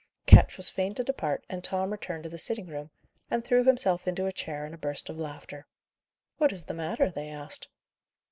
Ketch was fain to depart, and Tom returned to the sitting room, and threw himself into a chair in a burst of laughter. "What is the matter?" they asked.